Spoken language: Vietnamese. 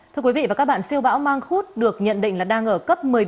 thưa quý vị và các bạn siêu bão mang khúc được nhận định là đang ở cấp một mươi năm